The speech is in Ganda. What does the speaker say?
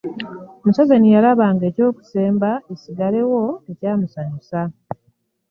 Museveni yabalaga nti eky'okusemba esigalewo tekyamusanyusa.